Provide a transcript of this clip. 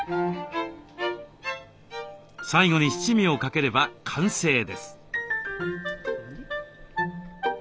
最後に七味をかければ完成です。